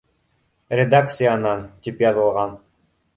— Редакциянан, тип яҙылған